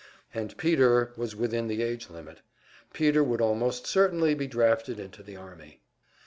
And Peter was within the age limit; Peter would almost certainly be drafted into the army!